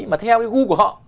mà theo cái gu của họ